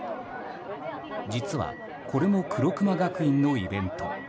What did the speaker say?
実は、これも黒熊学院のイベント。